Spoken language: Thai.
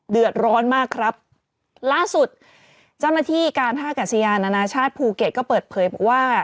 เท่าที่การท่าผักกันซียานอนาชาติภูเก็ตก็เปิดเผยว่า